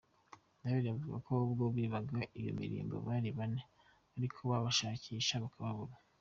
Ndabereye avuga ko ubwo bibaga iyo mirimbo bari bane ariko babashakisha bakababura.